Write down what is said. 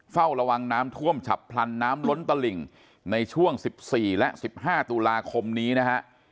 เฝ้าระวังน้ำท่วมฉับพลันน้ำล้นตลิ่งในช่วง๑๔และ๑๕ตุลาคมนี้นะฮะ